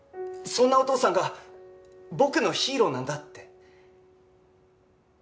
そんなお父さんが僕のヒーローなんだって。